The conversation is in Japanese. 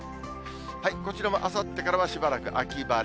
こちらもあさってからはしばらく秋晴れ。